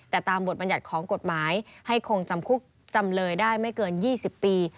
แต่ตามบทบรรยัติของกฎหมายให้คงจำคุกจำเลยได้ไม่เกิน๒๐ปี